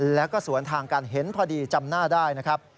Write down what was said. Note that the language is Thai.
แล้วก็สวนทางกันเห็นพอดีจำหน้าได้นะครับ